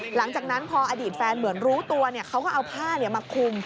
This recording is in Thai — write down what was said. หลังจากนั้นพออดีตแฟนเหมือนรู้ตัวเขาก็เอาผ้ามาคุม